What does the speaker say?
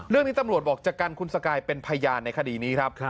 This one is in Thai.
เรื่องนี้ตำรวจบอกจะกันคุณสกายเป็นพยานในคดีนี้ครับ